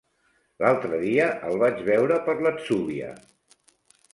L'altre dia el vaig veure per l'Atzúbia.